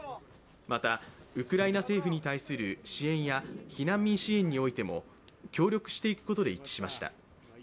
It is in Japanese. また、ウクライナ政府に対する支援や避難民支援においても協力していくことで一致しました。